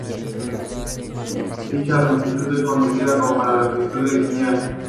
Dicha longitud es conocida como la longitud de Jeans.